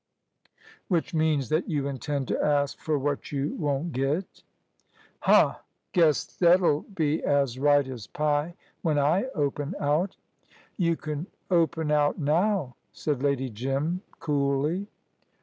"Which means that you intend to ask for what you won't get." "Huh! Guess thet'll be as right as pie, when I open out." "You can open out now," said Lady Jim, coolly.